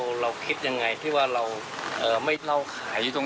คุณพีชบอกไม่อยากให้เป็นข่าวดังเหมือนหวยโอนละเวง๓๐ใบจริงและก็รับลอตเตอรี่ไปแล้วด้วยนะครับ